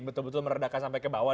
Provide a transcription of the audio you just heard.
betul betul meredakan sampai ke bawah